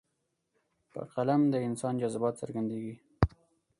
په قلم د انسان جذبات څرګندېږي.